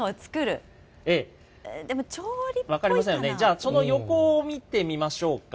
その横を見てみましょうか。